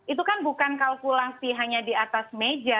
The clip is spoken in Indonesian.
itu kan bukan kalkulasi hanya di atas meja